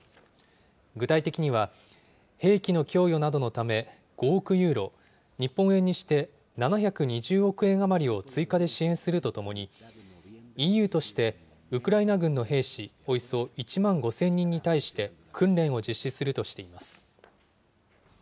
具体的には、兵器の供与などのため、５億ユーロ、日本円にして７２０億円余りを追加で支援するとともに、ＥＵとしてウクライナ軍の兵士およそ１万５０００人に対して、訓練を実施するとしています。